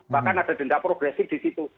bahkan ada denda progresif di situ